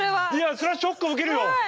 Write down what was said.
それはショックを受けるよ。